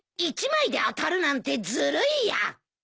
１枚で当たるなんてずるいや！